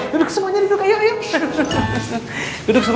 duduk semuanya duduk ayo ayo